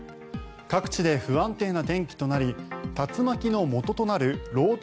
各地で不安定な天気となり竜巻のもととなる漏斗